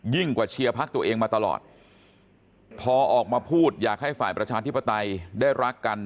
กว่าเชียร์พักตัวเองมาตลอดพอออกมาพูดอยากให้ฝ่ายประชาธิปไตยได้รักกัน